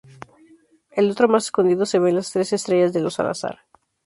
En otro más escondido se ven las trece estrellas de los Salazar.